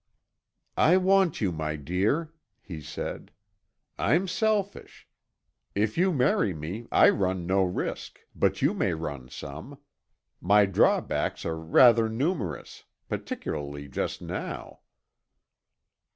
"I want you, my dear," he said. "I'm selfish. If you marry me, I run no risk, but you may run some. My drawbacks are rather numerous, particularly just now."